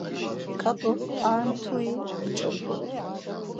ǩat̆uk ar mtugi oç̌opu.